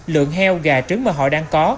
lượng heo gà trứng mà họ đang có